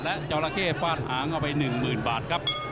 และจอลาเก้ฟาดอางออกไป๑๐๐๐๐บาทครับ